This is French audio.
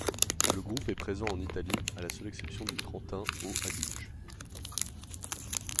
Le groupe est présent en Italie à la seule exception du Trentin-Haut-Adige.